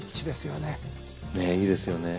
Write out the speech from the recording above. ねいいですよね。